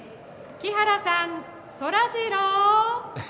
木原さん、そらジロー。